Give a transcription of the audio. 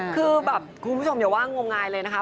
คือแบบคุณผู้ชมอย่าว่างมงายเลยนะคะ